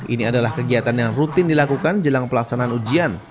ini adalah kegiatan yang rutin dilakukan jelang pelaksanaan ujian